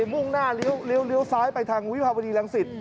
มุ่งหน้าลิ้วลิ้วลิ้วซ้ายไปทางวิภาพดีแรงศิษฐ์